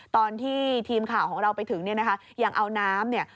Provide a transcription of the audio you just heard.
ตอนที่ทีมข่าวของเราไปถึงอย่างเอาน้ำ